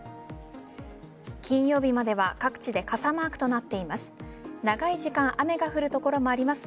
金曜日までは各地で傘マークとなっています。